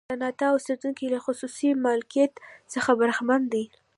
د ناتال اوسېدونکي له خصوصي مالکیت څخه برخمن دي.